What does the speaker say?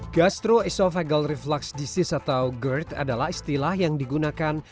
gastroesophageal reflux disease atau gerd adalah istilah yang digunakan